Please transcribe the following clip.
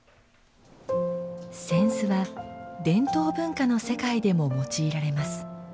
扇子は伝統文化の世界でも用いられます。